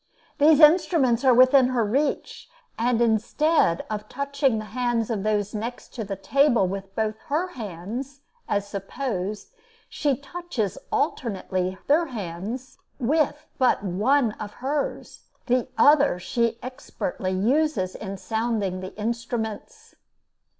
These instruments are within her reach; and instead of touching the hands of those next the table with both her hands, as supposed, she touches, alternately, their hands with but one of hers, the other she expertly uses in sounding the instruments.